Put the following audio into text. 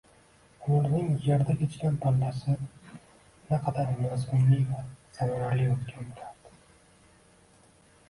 — umrining yerda kechgan pallasi naqadar mazmunli va samarali o‘tgan bo‘lardi!